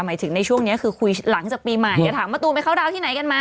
หมายถึงในช่วงนี้คือคุยหลังจากปีใหม่จะถามมะตูมไปเข้าดาวน์ที่ไหนกันมา